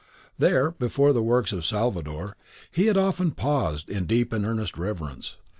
There, before the works of Salvator, he had often paused in deep and earnest reverence.